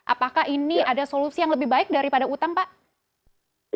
apakah ini ada solusi yang lebih baik daripada utang pak